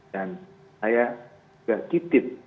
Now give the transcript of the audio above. dan saya juga titip